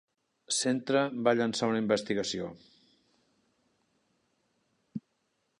Centra va llançar una investigació.